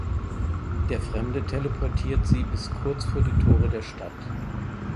Der Fremde teleportiert sie bis kurz vor die Tore der Stadt.